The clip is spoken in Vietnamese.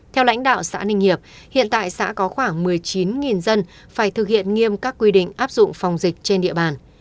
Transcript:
theo lãnh đạo xã ninh hiệp hiện tại xã có khoảng một mươi chín dân phải thực hiện nghiêm các quy định áp dụng phòng dịch trên địa bàn